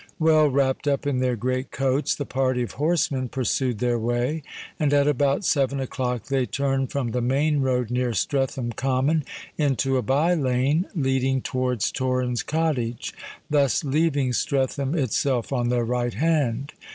Well wrapped up in their great coats, the party of horsemen pursued their way; and at about seven o'clock they turned from the main road near Streatham Common, into a bye lane leading towards Torrens Cottage, thus leaving Streatham itself on their right hand.